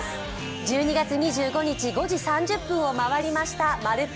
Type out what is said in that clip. １２月２５日５時３０分を回りました、「まるっと！